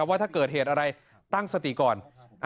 ว่าถ้าเกิดเหตุอะไรตั้งสติก่อน